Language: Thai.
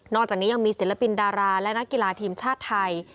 จากนี้ยังมีศิลปินดาราและนักกีฬาทีมชาติไทย